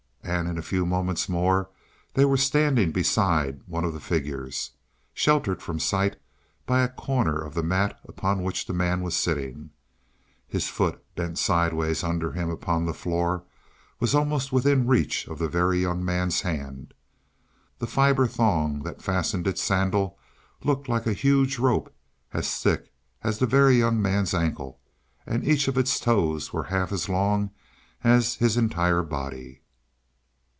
And in a few moments more they were standing beside one of the figures, sheltered from sight by a corner of the mat upon which the man was sitting. His foot, bent sidewise under him upon the floor, was almost within reach of the Very Young Man's hand. The fibre thong that fastened its sandal looked like a huge rope thick as the Very Young Man's ankle, and each of its toes were half as long as his entire body.